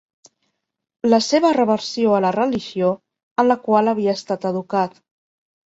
La seva reversió a la religió en la qual havia estat educat.